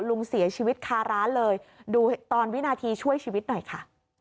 ลุงเสียชีวิตคาร้านเลยดูตอนวินาทีช่วยชีวิตหน่อยค่ะ